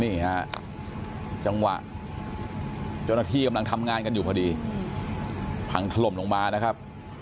นี่ฮะจังหวะเจ้าหน้าที่กำลังทำงานกันอยู่พอดีพังถล่มลงมานะครับ